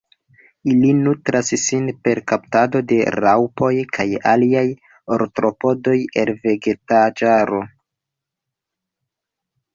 Ili nutras sin per kaptado de raŭpoj kaj aliaj artropodoj el vegetaĵaro.